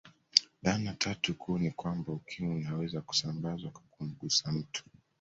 Dhana tatu kuu ni kwamba Ukimwi unaweza kusambazwa kwa kumgusa mtu